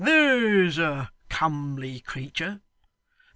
'There's a comely creature!